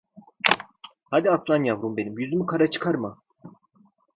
Haydi aslan yavrum benim, yüzümü kara çıkarma.